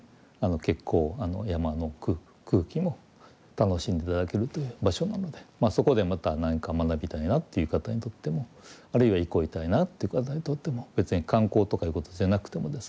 結構山の空気も楽しんで頂けるという場所なのでそこでまた何か学びたいなっていう方にとってもあるいは憩いたいなっていう方にとっても別に観光とかいうことじゃなくてもですね